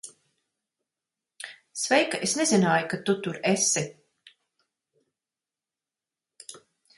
Sveika. Es nezināju, ka tu tur esi.